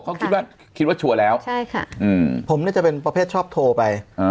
เขาคิดว่าคิดว่าชัวร์แล้วผมนี่จะเป็นประเภทชอบโทรไป